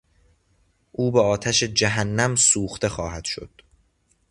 او به آتش جهنم سوخته خواهدشد!